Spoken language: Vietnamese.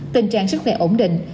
tình trạng rất là ổn định